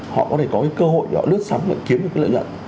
họ có thể có cái cơ hội để họ lướt sóng và kiếm một cái lợi nhận